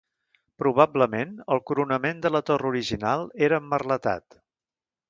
Probablement, el coronament de la torre original era emmerletat.